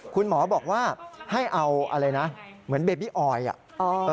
คุณหมอบอกว่าให้เอาอะไรนะเหมือนเบบี้ออยอ่ะ